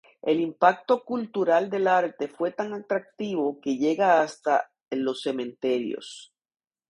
El impacto cultural del arte fue tan atractivo que llega hasta en los cementerios.